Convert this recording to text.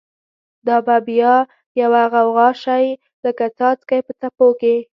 دا به بیا یوه غوغاشی، لکه څاڅکی په څپو کی